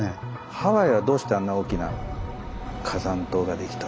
ハワイはどうしてあんな大きな火山島ができたと。